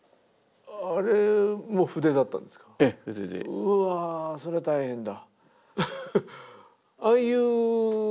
うわそれは大変だ。